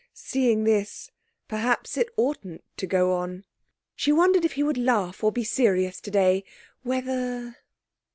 Seeing this, perhaps it oughtn't to go on. She wondered if he would laugh or be serious today... whether...